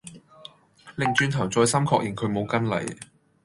擰轉頭再三確認佢冇跟嚟